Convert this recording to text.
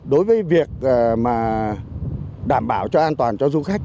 đối với việc đảm bảo cho an toàn cho du khách